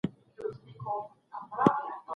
په نغمو په ترانو به یې زړه سوړ و